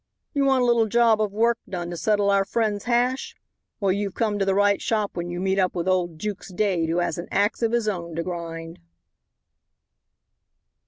"You want a little job of work done to settle our friend's hash. Well, you've come to the right shop when you meet up with old Jukes Dade who has an axe of his own to grind."